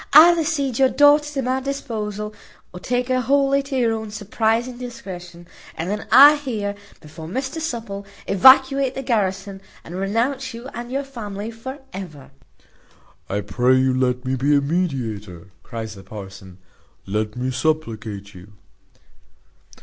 Either cede your daughter to my disposal, or take her wholly to your own surprizing discretion, and then I here, before Mr Supple, evacuate the garrison, and renounce you and your family for ever." "I pray you let me be a mediator," cries the parson, "let me supplicate you."